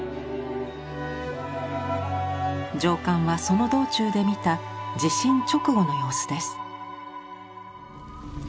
上巻はその道中で見た地震直後の様子です。